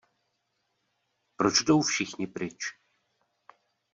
Proč jdou všichni pryč?